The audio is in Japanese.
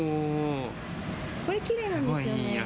これ、きれいなんですよね。